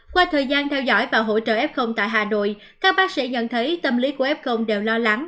qua thời gian theo dõi và hỗ trợ f tại hà nội các bác sĩ nhận thấy tâm lý của f đều lo lắng